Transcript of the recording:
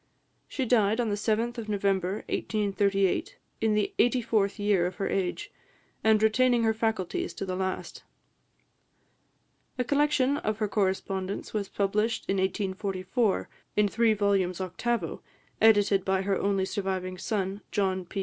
She died on the 7th of November 1838, in the eighty fourth year of her age, and retaining her faculties to the last. A collection of her correspondence was published in 1844, in three volumes octavo, edited by her only surviving son, John P.